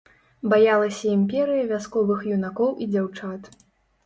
Баялася імперыя вясковых юнакоў і дзяўчат.